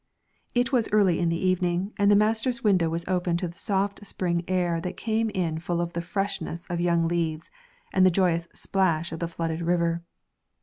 It was early in the evening, and the master's window was open to the soft spring air that came in full of the freshness of young leaves and the joyous splash of the flooded river.